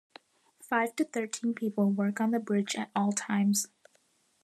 Five to thirteen people work on the bridge at all times.